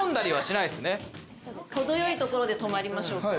程よいところで止まりましょう。